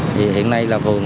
thì hiện nay là phường